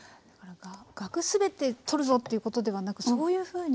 がく全て取るぞっていうことではなくそういうふうに。